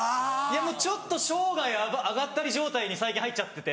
ちょっと商売上がったり状態に最近入っちゃってて。